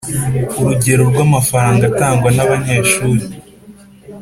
urugero rw amafaranga atangwa n abanyeshuri